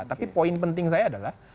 tapi poin penting saya adalah